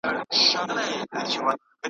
علم د دواړو جهانونو رڼا ده